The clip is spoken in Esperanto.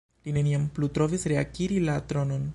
Li neniam plu provis reakiri la tronon.